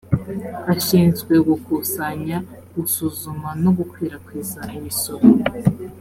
ashinzwe gukusanya gusuzuma no gukwirakwiza imisoro